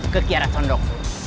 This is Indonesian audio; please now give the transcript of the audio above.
ke kiara sondok